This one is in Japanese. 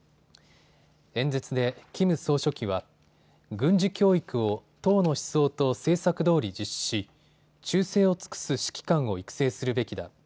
演説でキム総書記は軍事教育を党の思想と政策どおり実施し忠誠を尽くす指揮官を育成するべきだ。